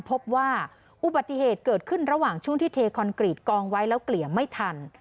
พบว่าอุบัติเหตุเกิดขึ้นระหว่างช่วงที่เทคอนกรีตกองไว้แล้วเกลี่ยไม่ทัน